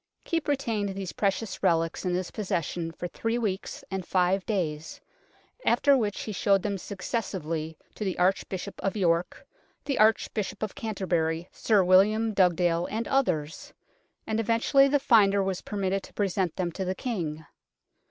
Keepe retained these precious relics in his possession for three weeks and five days, after which he showed them successively to the Arch bishop of York, the Archbishop of Canterbury, Sir William Dugdale and others, and eventually the finder was permitted to present them to the King.